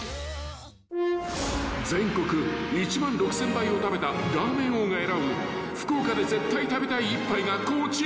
［全国１万６，０００杯を食べたラーメン王が選ぶ福岡で絶対食べたい一杯がこちら］